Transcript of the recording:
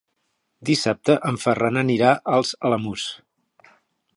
Dissabte en Ferran anirà als Alamús.